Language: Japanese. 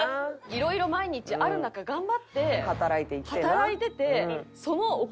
色々毎日ある中頑張って働いてて。